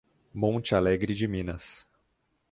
Monte Alegre de Minas